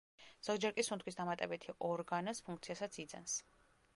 ზოგჯერ კი სუნთქვის დამატებითი ორგანოს ფუნქციასაც იძენს.